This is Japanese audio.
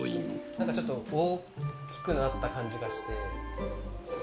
なんかちょっと大きくなった感じがして。